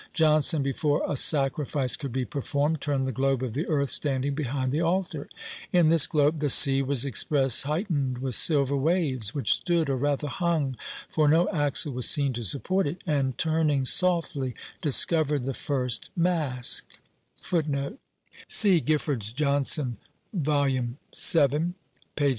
Jonson, before "a sacrifice could be performed, turned the globe of the earth, standing behind the altar." In this globe "the sea was expressed heightened with silver waves, which stood, or rather hung (for no axle was seen to support it), and turning softly, discovered the first Masque," &c.